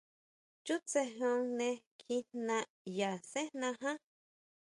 Chútsejeon ne kjiná ʼya sejná ján.